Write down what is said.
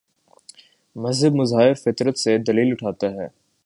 مذہب مظاہر فطرت سے دلیل اٹھاتا ہے۔